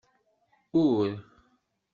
Ur.